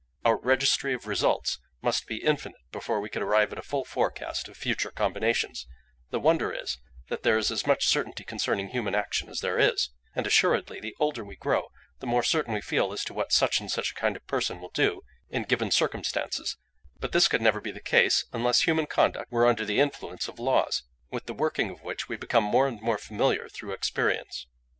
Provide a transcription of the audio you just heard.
Our registry of results must be infinite before we could arrive at a full forecast of future combinations; the wonder is that there is as much certainty concerning human action as there is; and assuredly the older we grow the more certain we feel as to what such and such a kind of person will do in given circumstances; but this could never be the case unless human conduct were under the influence of laws, with the working of which we become more and more familiar through experience.